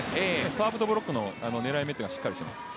サーブとブロックの狙い目がしっかりしています。